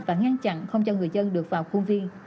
và ngăn chặn không cho người dân được vào khuôn viên